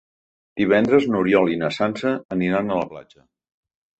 Divendres n'Oriol i na Sança aniran a la platja.